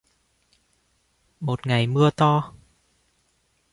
Một ngày mưa to